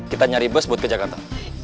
kita nyari bus buat ke jakarta